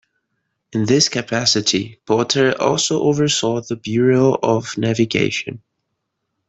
In this capacity, Potter also oversaw the Bureau of Navigation.